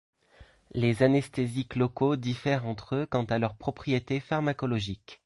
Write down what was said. Les anesthésiques locaux diffèrent entre eux quant à leurs propriétés pharmacologiques.